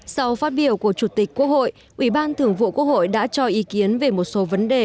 sau phát biểu của chủ tịch quốc hội ủy ban thường vụ quốc hội đã cho ý kiến về một số vấn đề